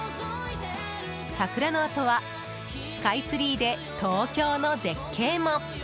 桜のあとはスカイツリーで東京の絶景も。